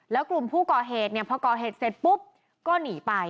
แล้วกลุ่มผู้ก่อเหตุเนี่ยพอก่อเหตุเสร็จปุ๊บก็หนีไป